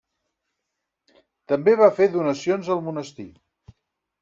També va fer donacions al monestir.